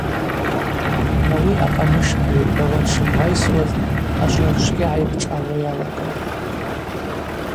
Ауи акъамыш агӏвихӏвауа дшымгӏвайсуаз ашвыр чвгьа гӏайпшӏалуа йалагатӏ.